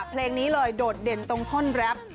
เพลงนี้เลยโดดเด่นตรงท่อนแรป